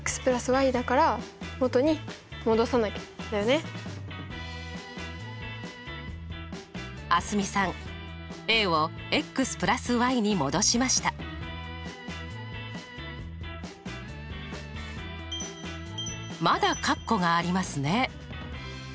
だから元に戻さな蒼澄さんＡをに戻しましたまだカッコがありますね。